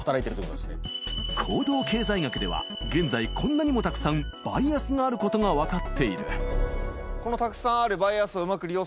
行動経済学では現在こんなにもたくさんバイアスがあることが分かっているこのたくさんある。